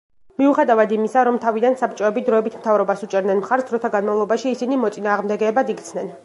მიუხედავად იმისა, რომ თავიდან საბჭოები დროებით მთავრობას უჭერდნენ მხარს, დროთა განმავლობაში ისინი მოწინააღმდეგეებად იქცნენ.